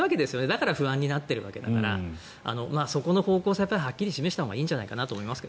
だから不安になってるんだからそこの方向性をはっきり示したほうがいいと思います。